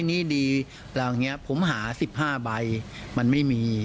๗๒๗๒๐๒นี่ดีแล้วผมหา๑๕ใบมันไม่มี